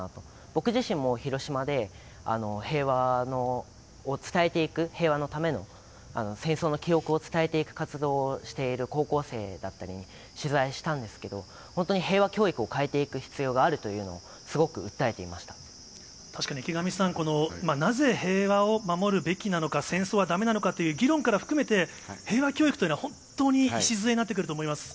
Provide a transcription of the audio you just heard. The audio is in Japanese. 僕自身も広島で、平和を伝えていく、平和のための戦争の記憶を伝えていく活動をしている高校生だったりに、取材したんですけど、本当に平和教育を変えていく必要があるというのを、すごく訴えて確かに池上さん、このなぜ、平和を守るべきなのか、戦争はだめなのかという議論から含めて、平和教育というのは、本当に礎になってくると思います。